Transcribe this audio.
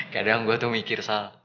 kadang gue tuh mikir